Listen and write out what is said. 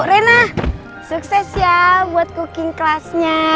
rena sukses ya buat cooking classnya